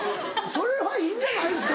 それはいいんじゃないですか？